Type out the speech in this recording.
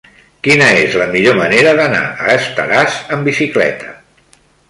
Quina és la millor manera d'anar a Estaràs amb bicicleta?